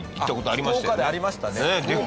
ああありましたね。